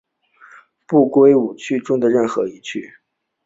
不归属五趣中的任何一趣。